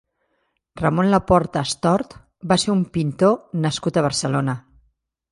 Ramon Laporta Astort va ser un pintor nascut a Barcelona.